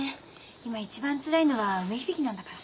今一番つらいのは梅響なんだから。